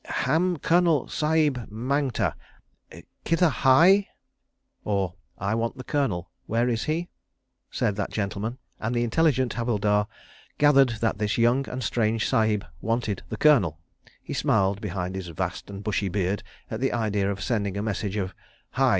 "Ham Colonel Sahib mangta. Kither hai?" {21c} said that gentleman, and the intelligent Havildar gathered that this young and strange Sahib "wanted" the Colonel. He smiled behind his vast and bushy beard at the idea of sending a message of the "Hi!